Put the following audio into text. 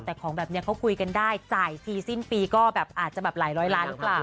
แต่ของแบบนี้เขาคุยกันได้จ่ายทีสิ้นปีก็แบบอาจจะแบบหลายร้อยล้านหรือเปล่า